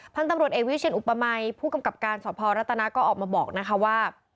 พันธุ์ตำรวจเอกวิเชียนอุปมัยผู้กำกับการสพรัฐนาก็ออกมาบอกนะคะว่า